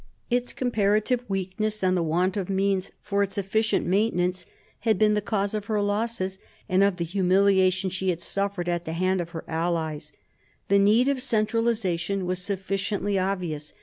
Its comparative weaknes§ and the want of means for its efficient maintenance had been the cause of her losses, and of the humiliation she had suffered at the hand of her allies^ . The need of centralisation was sufficiently obvious.